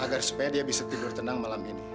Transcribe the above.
agar supaya dia bisa tidur tenang malam ini